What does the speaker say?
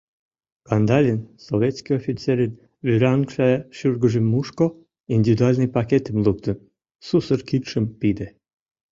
Кандалин советский офицерын вӱраҥше шӱргыжым мушко, индивидуальный пакетым луктын, сусыр кидшым пиде.